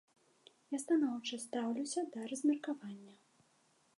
Я станоўча стаўлюся да размеркавання.